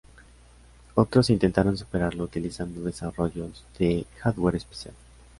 Otros intentaron superarlo utilizando desarrollos de hardware especial.